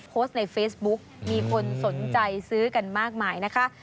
โพสต์ในเฟซบุ๊กมีคนสนใจซื้อกันมากมายนะคะ